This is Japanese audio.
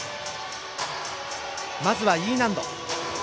まずはＥ難度。